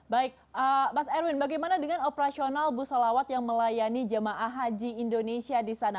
baik mas erwin bagaimana dengan operasional busolawat yang melayani jemaah haji indonesia di sana